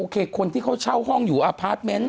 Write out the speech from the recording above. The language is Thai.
คนที่เขาเช่าห้องอยู่อพาร์ทเมนต์